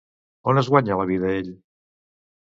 On es guanya la vida ell?